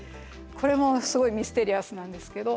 これもすごいミステリアスなんですけど。